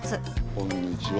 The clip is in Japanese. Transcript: こんにちは。